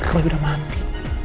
roy udah mati